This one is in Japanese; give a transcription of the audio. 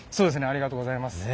ありがとうございます。